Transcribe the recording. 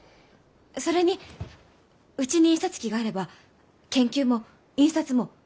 それにうちに印刷機があれば研究も印刷もその場でできます。